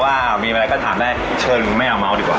ว่ามีอะไรก็ถามได้เชิญแม่อาเม้าดีกว่า